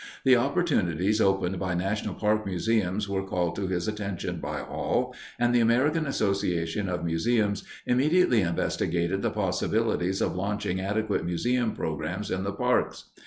The opportunities opened by national park museums were called to his attention by Hall, and the American Association of Museums immediately investigated the possibilities of launching adequate museum programs in the parks.